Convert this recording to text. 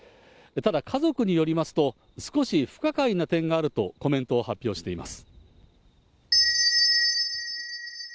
ただ、家族によりますと、少し不可解な点があるとコメントを発表しています。